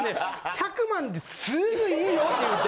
１００万ですぐ良いよって言って。